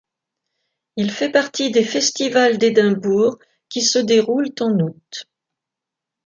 Il fait partie des festivals d'Edinburgh qui se déroulent en août.